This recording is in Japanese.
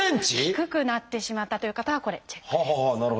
低くなってしまったという方はこれチェックです。